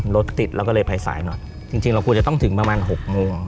รถติดเราก็เลยไปสายหน่อยจริงเราควรจะต้องถึงประมาณ๖โมง